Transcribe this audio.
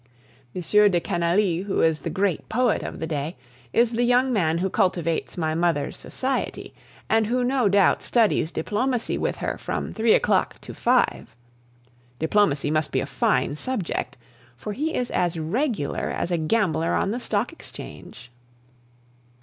M. de Canalis, who is the great poet of the day, is the young man who cultivates my mother's society, and who no doubt studies diplomacy with her from three o'clock to five. Diplomacy must be a fine subject, for he is as regular as a gambler on the Stock Exchange.